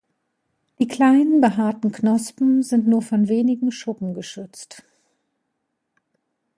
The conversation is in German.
Die kleinen, behaarten Knospen sind nur von wenigen Schuppen geschützt.